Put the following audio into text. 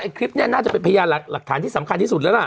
คลิปนี้น่าจะเป็นพยานหลักฐานที่สำคัญที่สุดแล้วล่ะ